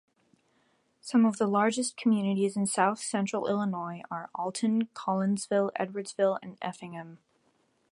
Some of the largest communities in south-central Illinois are Alton, Collinsville, Edwardsville, and Effingham.